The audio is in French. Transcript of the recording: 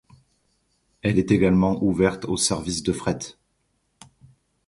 Elle est également ouverte au service de fret.